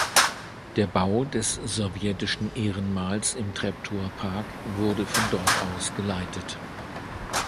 Der Bau des Sowjetischen Ehrenmals im Treptower Park wurde von dort aus geleitet.